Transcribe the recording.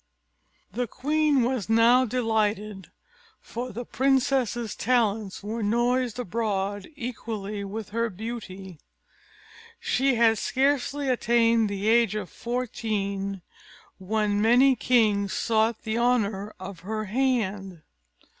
The queen was now delighted, for the princess's talents were noised abroad equally with her beauty. She had scarcely attained the age of fourteen when many kings sought the honour of her hand.